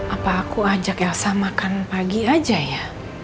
apa aku ajak yasa makan pagi aja ya